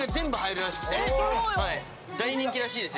大人気らしいです。